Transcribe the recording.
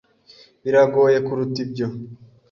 Biragoye kuruta ibyo.